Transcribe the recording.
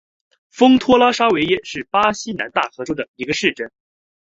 丰托拉沙维耶是巴西南大河州的一个市镇。